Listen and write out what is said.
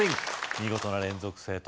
見事な連続正答